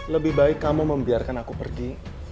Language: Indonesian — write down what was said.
lebih baik kamu membiarkan aku pergi